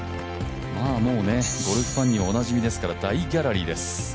もうゴルフファンにはおなじみですから、大ギャラリーです。